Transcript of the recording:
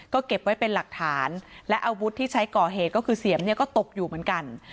ก็เก็บไว้เป็นหลักฐานและอาวุธที่ใช้ก่อเหตุก็คือเสียมเนี่ยก็ตกอยู่เหมือนกัน